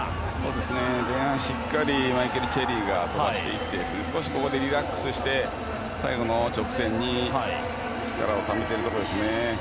前半、しっかりマイケル・チェリーが飛ばしていて少しここでリラックスして最後の直線に力をためているところです。